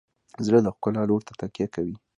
زړه د ښکلا لور ته تکیه کوي.